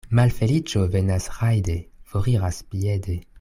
Malfeliĉo venas rajde, foriras piede.